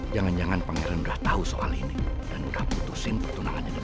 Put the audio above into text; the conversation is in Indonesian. jangan jangan pangeran udah tahu soal ini dan udah putusin pertunangannya dengan mel